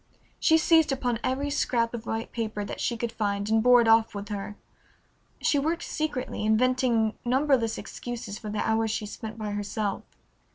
She seized upon every scrap of white paper that she could find and bore it off with her. She worked secretly, inventing numberless excuses for the hours she spent by herself.